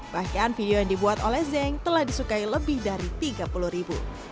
bahkan video yang dibuat oleh zeng telah disukai lebih dari tiga puluh ribu